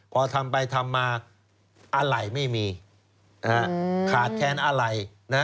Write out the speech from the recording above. พอทำไปทำมาอาหล่ายไม่มีขาดแทนอาหล่าย